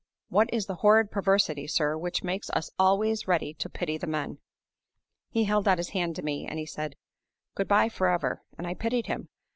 What is the horrid perversity, sir, which makes us always ready to pity the men? He held out his hand to me; and he said, 'Good by forever!' and I pitied him.